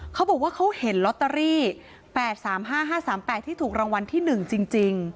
เขาบอกว่าเขาเห็นลอตเตอรี่๘๓๕๕๓๘ที่ถูกรางวัลที่๑จริง